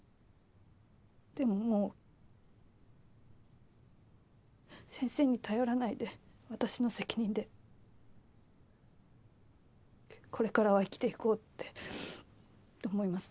でももう先生に頼らないで私の責任でこれからは生きていこうって思います。